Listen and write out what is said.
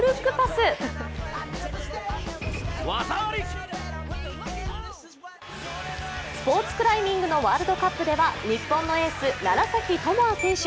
スポーツクライミングのワールドカップでは日本のエース・楢崎智亜選手。